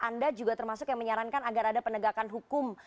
anda juga termasuk yang menyarankan agar ada penegakan hukum